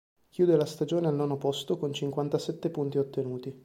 Chiude la stagione al nono posto con cinquantasette punti ottenuti.